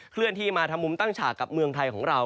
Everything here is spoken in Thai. เลื่อนที่มาทำมุมตั้งฉากกับเมืองไทยของเรา